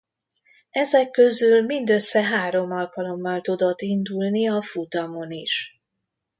Ezek közül mindössze három alkalommal tudott indulni a futamon is.